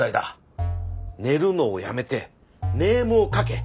寝るのをやめてネームを描け。